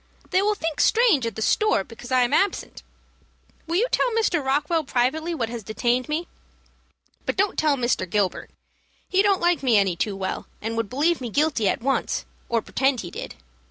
They will think strange at the store because I am absent. Will you tell Mr. Rockwell privately what has detained me; but don't tell Mr. Gilbert. He don't like me any too well, and would believe me guilty at once, or pretend he did.